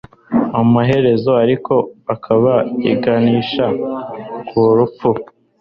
amaherezo ariko, ikaba iganisha ku rupfu